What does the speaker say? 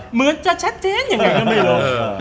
เหมือนจะชัดเจนยังไงก็ไม่รู้